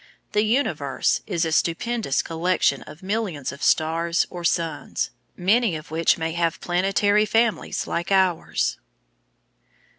The universe is a stupendous collection of millions of stars or suns, many of which may have planetary families like ours.